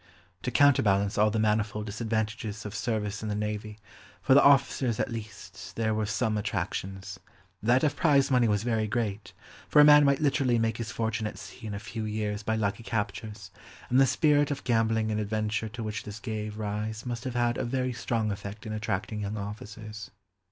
To counterbalance all the manifold disadvantages of service in the navy, for the officers at least, there were some attractions; that of prize money was very great, for a man might literally make his fortune at sea in a few years by lucky captures, and the spirit of gambling and adventure to which this gave rise must have had a very strong effect in attracting young officers.